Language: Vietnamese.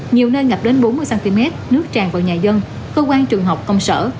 nhiều nơi ngập đến bốn mươi cm nước tràn vào nhà dân cơ quan trường học công sở